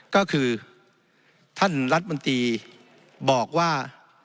ก็คือท่านรัฐมนตรีบอกว่า